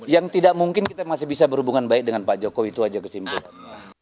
yang tidak mungkin kita masih bisa berhubungan baik dengan pak jokowi itu aja kesimpulannya